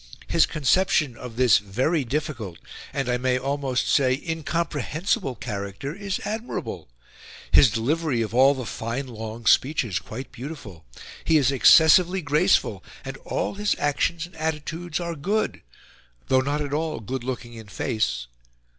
His conception of this very difficult, and I may almost say incomprehensible, character is admirable; his delivery of all the fine long speeches quite beautiful; he is excessively graceful and all his actions and attitudes are good, though not at all good looking in face...